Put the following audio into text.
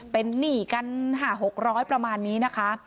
เป็นนี่กันห้าหกร้อยประมาณนี้นะคะ